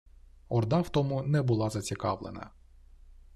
Орда в тому не була зацікавлена